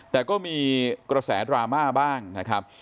แต่ก็มีกระแสดราม่าบ้างนะครับ